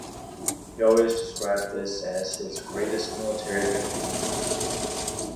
He always described this as his greatest military victory.